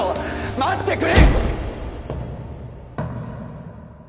待ってくれ